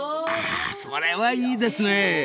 ［あぁそれはいいですね］